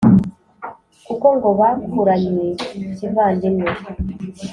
kuko ngo bakuranye kivandimwe,